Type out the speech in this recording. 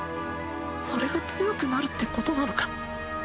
それが強くなるってことなのか？